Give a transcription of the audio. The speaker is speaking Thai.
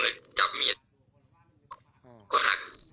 เสียเหรียญมากภูมิตัวสลุกไปเลยครับ